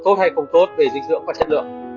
tốt hay không tốt về dinh dưỡng và chất lượng